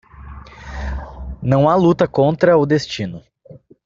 Não há luta contra o destino.